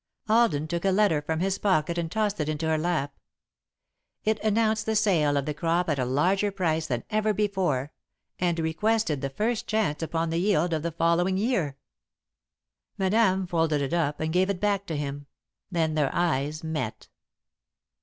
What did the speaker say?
Alden took a letter from his pocket and tossed it into her lap. It announced the sale of the crop at a larger price than ever before, and requested the first chance upon the yield of the following year. Madame folded it up and gave it back to him, then their eyes met.